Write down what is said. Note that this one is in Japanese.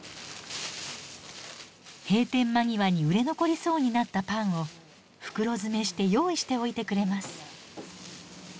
閉店間際に売れ残りそうになったパンを袋詰めして用意しておいてくれます。